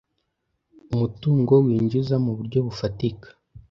umutungo winjiza mu buryo bufatika,